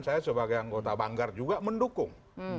saya sebagai anggota banggar juga mendukung